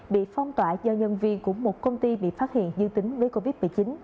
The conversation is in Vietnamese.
bị phong tỏa do nhân viên của một công ty bị phát hiện dương tính với covid một mươi chín